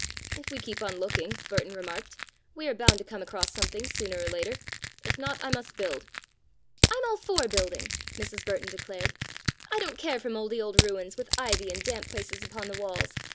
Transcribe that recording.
"If we keep on looking," Burton remarked, "we are bound to come across something sooner or later. If not, I must build." "I'm all for building," Mrs. Burton declared. "I don't care for mouldy old ruins, with ivy and damp places upon the walls.